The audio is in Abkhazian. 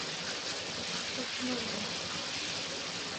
Ԥсраҽнынӡа!